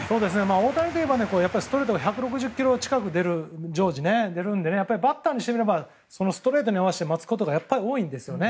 大谷といえばストレートが１６０キロ近く常時出るのでバッターにしてみればストレートに合わせて待つことが多いんですね。